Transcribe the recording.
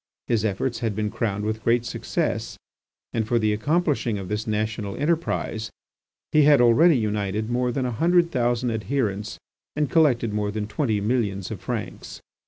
His efforts had been crowned with great success, and for the accomplishing of this national enterprise he had already united more than a hundred thousand adherents and collected more than twenty millions of francs.